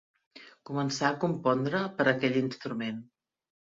Començà a compondre per a aquell instrument.